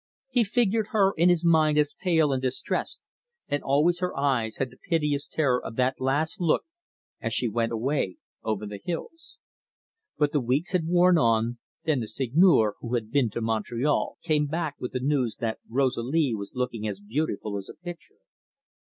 He figured her in his mind as pale and distressed, and always her eyes had the piteous terror of that last look as she went away over the hills. But the weeks had worn on, then the Seigneur, who had been to Montreal, came back with the news that Rosalie was looking as beautiful as a picture.